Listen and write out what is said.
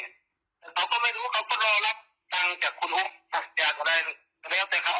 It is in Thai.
เขาก็ไม่รู้เขาต้องรอรับทางจากรอยหรืออยากจะได้ก็เรียกซะเขา